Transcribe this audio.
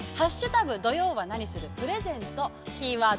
土曜はナニするプレゼントキーワード